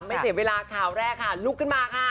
ไม่เสียเวลาข่าวแรกค่ะลุกขึ้นมาค่ะ